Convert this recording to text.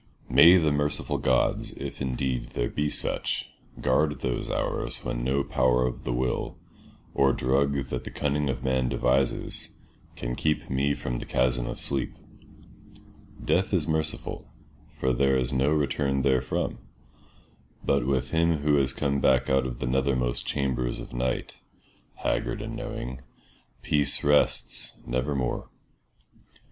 May the merciful gods, if indeed there be such, guard those hours when no power of the will, or drug that the cunning of man devises, can keep me from the chasm of sleep. Death is merciful, for there is no return therefrom, but with him who has come back out of the nethermost chambers of night, haggard and knowing, peace rests nevermore.